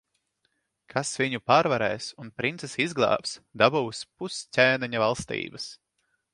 Kas viņu pārvarēs un princesi izglābs, dabūs pus ķēniņa valstības.